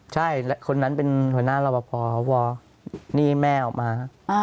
ใช่คนนั้นเป็นหัวหน้ารอปภพอนี่แม่ออกมา